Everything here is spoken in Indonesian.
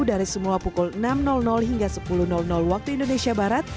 dari semula pukul enam hingga sepuluh waktu indonesia barat